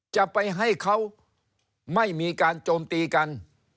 จะไปให้เขาไม่มีการโจมตีกัน